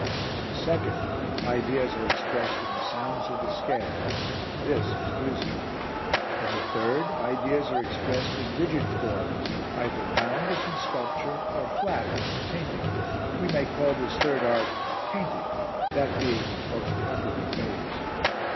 In the second, ideas are expressed in the sounds of the scale; this is music. In the third, ideas are expressed in rigid forms either round, as in sculpture, or flat, as in painting. We may call this third art painting, that being its most popular phase."